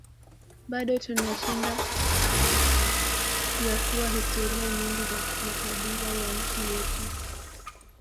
Bado tunashida ya kuwa historia nyingi za makabila ya nchi yetu